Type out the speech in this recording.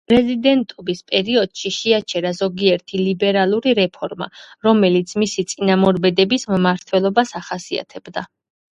პრეზიდენტობის პერიოდში შეაჩერა ზოგიერთი ლიბერალური რეფორმა, რომელიც მისი წინამორბედების მმართველობას ახასიათებდა.